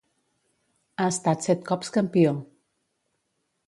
Ha estat set cops campió.